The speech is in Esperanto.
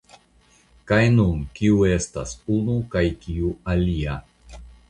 Kaj nun kiu estas unu kaj kiu alia?